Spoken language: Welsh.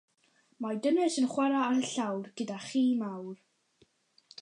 Mae dynes yn chwarae ar y llawr gyda chi mawr.